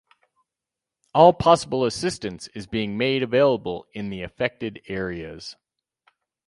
All possible assistance is being made available in the affected areas.